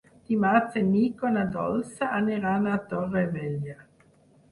Dimarts en Nico i na Dolça aniran a Torrevella.